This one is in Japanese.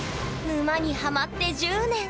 沼にハマって１０年。